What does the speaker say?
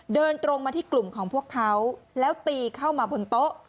เดินตรงมาที่กลุ่มของพวกเขาแล้วตีเข้ามาบนโต๊ะ